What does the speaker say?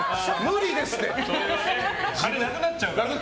金なくなっちゃうから。